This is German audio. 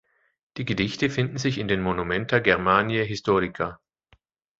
Die Gedichte finden sich in den "Monumenta Germaniae Historica".